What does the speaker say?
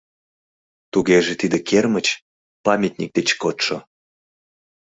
Тугеже тиде кермыч — памятник деч кодшо.